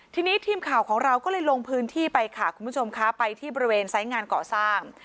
ทีนี้ทีมข่าวของเราก็เลยลงพื้นที่ไปค่ะคุณผู้ชมค่ะไปที่บริเวณไซส์งานก่อสร้าง